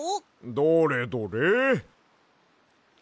どれどれ？